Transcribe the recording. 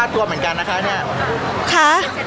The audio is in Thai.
พี่ตอบได้แค่นี้จริงค่ะ